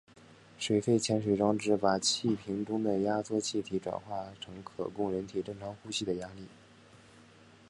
水肺潜水装置把气瓶中的压缩气体转化成可供人体正常呼吸的压力。